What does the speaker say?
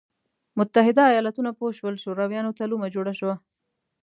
متحده ایالتونه پوه شول شورویانو ته لومه جوړه شوه.